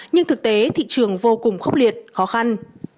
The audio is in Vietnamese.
nhưng thực tế thị trường vô cùng khốc liệt khó khăn